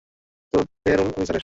তোর পে-রোল অফিসারের?